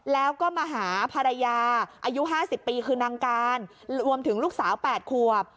แล้วก็มาหาภรรยาอายุ๕๐ปีคือนางการรวมถึงลูกสาว๘ขวบ